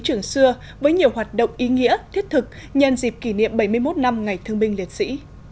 trường xưa với nhiều hoạt động ý nghĩa thiết thực nhân dịp kỷ niệm bảy mươi một năm ngày thương binh liệt sĩ